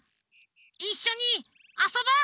いっしょにあそぼう！